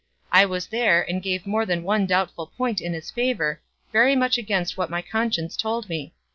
I was there, and gave more than one doubtful point in his favour, very much against what my conscience told me.